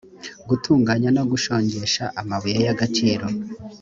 gutunganya no gushongesha amabuye y agaciro